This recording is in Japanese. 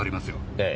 ええ。